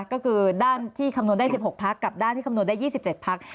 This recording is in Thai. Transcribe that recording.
ก็คือด้านที่คำนวณได้๑๖พักกับด้านที่คำนวณได้๒๗พัก